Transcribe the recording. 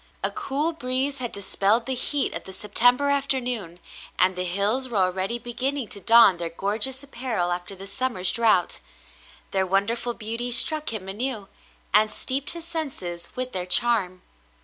A cool breeze had dispelled the heat of the September afternoon, and the hills were already beginning to don their gorgeous apparel after the summer's drouth ; their wonderful beauty struck him anew and steeped his senses with their charm.